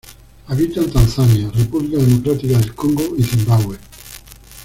Habita en Tanzania, República Democrática del Congo y Zimbabue.